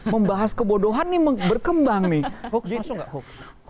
membahas kebodohan ini berkembang nih